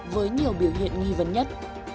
với nhiều biểu hiện nghi vấn nhất